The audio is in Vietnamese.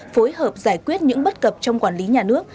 phối hợp giải quyết những bất cập trong quản lý nhà nước